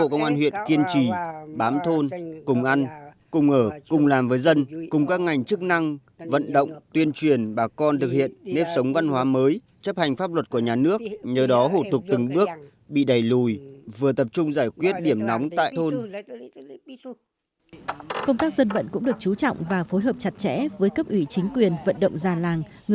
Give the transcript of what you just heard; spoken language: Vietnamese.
các thôn bản vận động tuyên truyền người dân xóa bỏ dân